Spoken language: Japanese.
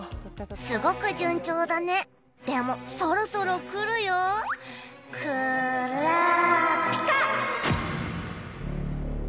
「すごく順調だねでもそろそろくるよ」「クラピカ」